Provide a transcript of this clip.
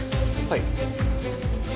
はい。